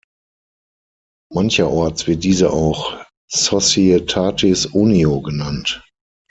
Mancherorts wird diese auch "Societatis unio" genannt.